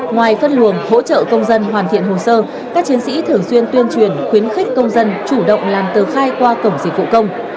ngoài phân luồng hỗ trợ công dân hoàn thiện hồ sơ các chiến sĩ thường xuyên tuyên truyền khuyến khích công dân chủ động làm tờ khai qua cổng dịch vụ công